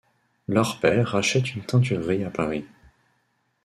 Leur père rachète une teinturerie à Paris.